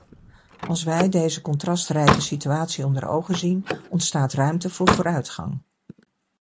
Als wij deze contrastrijke situatie onder ogen zien, ontstaat ruimte voor vooruitgang.